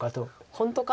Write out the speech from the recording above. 本当かと。